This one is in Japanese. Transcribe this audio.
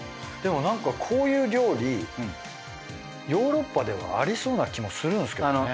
でもなんかこういう料理ヨーロッパではありそうな気もするんすけどね。